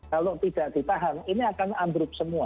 kalau tidak ditahan ini akan ambruk semua